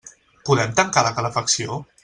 Podem tancar la calefacció?